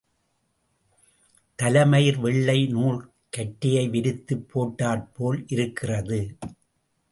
தலைமயிர் வெள்ளை நூல் கற்றையை விரித்துப் போட்டாற்போல் இருக்கிறது.